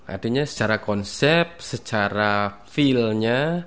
artinya secara konsep secara feelnya